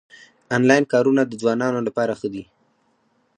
انلاین کارونه د ځوانانو لپاره ښه دي